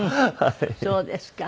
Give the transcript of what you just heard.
そうですか。